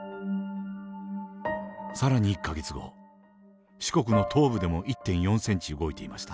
更に１か月後四国の東部でも１．４ｃｍ動いていました。